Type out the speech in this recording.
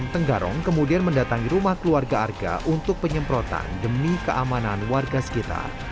tenggarong kemudian mendatangi rumah keluarga arga untuk penyemprotan demi keamanan warga sekitar